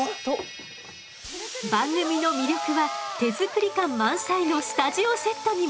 番組の魅力は手作り感満載のスタジオセットにも。